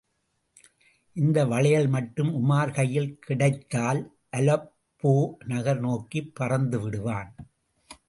இந்த வளையல் மட்டும் உமார் கையில் கிடைத்தால், அலெப்போ நகர் நோக்கிப் பறந்து விடுவான்.